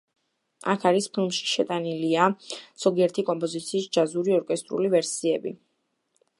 აქ არის ფილმში შეტანილია ზოგიერთი კომპოზიციის ჯაზური, ორკესტრული ვერსიები.